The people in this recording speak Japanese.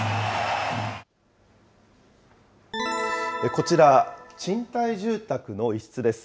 こちら、賃貸住宅の一室です。